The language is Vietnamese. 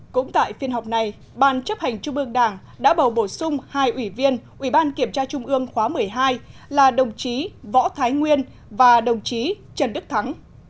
cũng tại phiên họp này ban chấp hành trung ương đảng đã bầu bổ sung hai ủy viên ủy ban kiểm tra trung ương khóa một mươi hai là đồng chí võ thái nguyên và đồng chí trần đức thắng